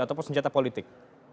ataupun senjata politik